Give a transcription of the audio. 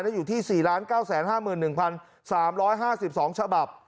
และอยู่ที่๔๙๕๑๓๕๒ฉบับ